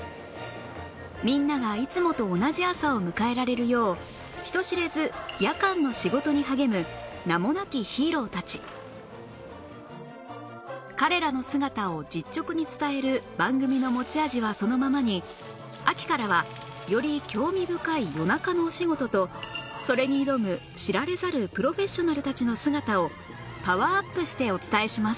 みんながいつもと同じ朝を迎えられるよう人知れず彼らの姿を実直に伝える番組の持ち味はそのままに秋からはより興味深い夜中のお仕事とそれに挑む知られざるプロフェッショナルたちの姿をパワーアップしてお伝えします